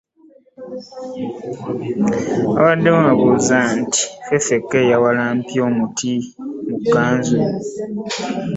Wabaddewo abuuza nti; Ffeffekka atambuza omuggo yawalampye atya omuti mu kkanzu?